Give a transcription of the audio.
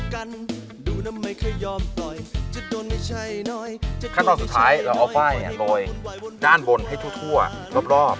ขั้นตอนสุดท้ายเราเอาฟ้ายแบบนี้โรยด้านบนให้ทั่วรอบ